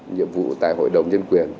nhiệm vụ tại hội đồng nhân quyền